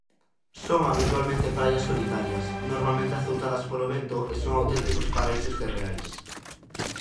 Son habitualmente praias solitarias, normalmente azoutadas polo vento, e son auténticos paraísos terreais.